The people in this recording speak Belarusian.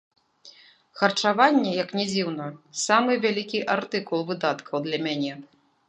Харчаванне, як ні дзіўна, самы вялікі артыкул выдаткаў для мяне.